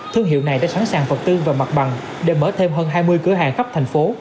thương hiệu này đã sẵn sàng vật tư và mặt bằng để mở thêm hơn hai mươi cửa hàng khắp thành phố